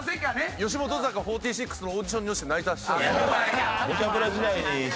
吉本坂４６のオーディションに落ちて泣いた。